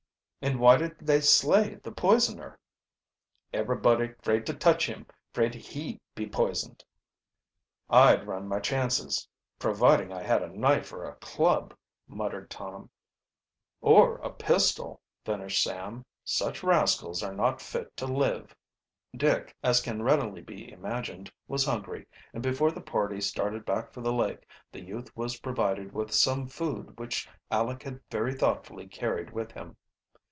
"And why didn't they slay the poisoner?" "Eberybody 'fraid to touch him 'fraid he be poisoned." "I'd run my chances providing I had a knife or a club," muttered Tom. "Or a pistol," finished Sam. "Such rascals are not fit to live." Dick, as can readily be imagined, was hungry, and before the party started back for the lake, the youth was provided with some food which Aleck had very thoughtfully carried with him.